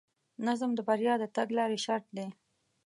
نظم د بریا د تګلارې شرط دی.